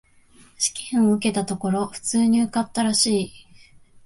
試験を受けたところ、普通に受かったらしい。